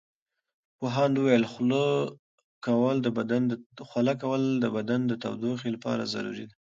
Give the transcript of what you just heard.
پوهاند وویل خوله کول د بدن د تودوخې لپاره ضروري دي.